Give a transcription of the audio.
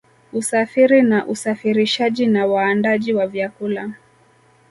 Usafiri na usafirishaji na waandaaji wa vyakula